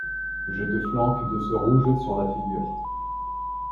Je te flanque de ce rouge sur la figure.